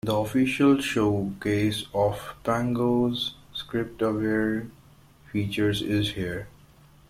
The official showcase of Pango's script-aware features is here.